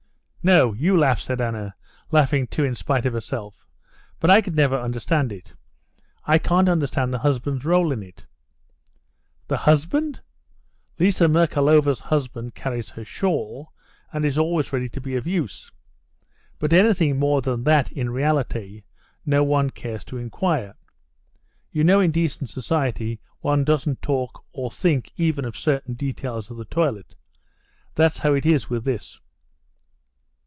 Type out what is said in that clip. "No; you laugh," said Anna, laughing too in spite of herself, "but I never could understand it. I can't understand the husband's rôle in it." "The husband? Liza Merkalova's husband carries her shawl, and is always ready to be of use. But anything more than that in reality, no one cares to inquire. You know in decent society one doesn't talk or think even of certain details of the toilet. That's how it is with this."